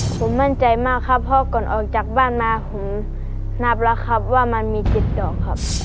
ผมมั่นใจมากครับเพราะก่อนออกจากบ้านมาผมนับแล้วครับว่ามันมี๗ดอกครับ